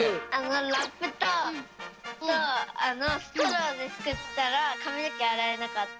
ラップとストローでつくったらかみのけあらえなかった。